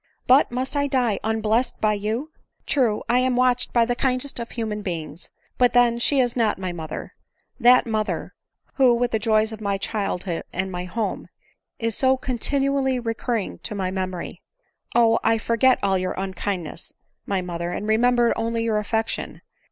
"But must I die unblest by you ? True, I am watch ed by the kindest of human beings ! but then she is not my mother — that mother, who^ with the joys of my childhood and my home, is so continually recurring to my memory. Oh ! I forget all your unkindness, my mother, and remember only your affection.